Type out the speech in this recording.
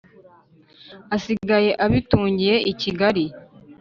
asigaye abitungiye i kigari